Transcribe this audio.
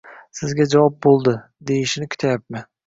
Sizga javob bo‘ldi, deyishini kutayapti.